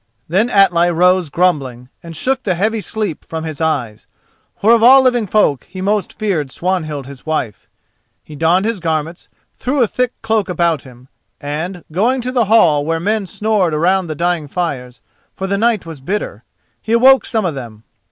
Then Atli rose grumbling, and shook the heavy sleep from his eyes: for of all living folk he most feared Swanhild his wife. He donned his garments, threw a thick cloak about him, and, going to the hall where men snored around the dying fires, for the night was bitter, he awoke some of them.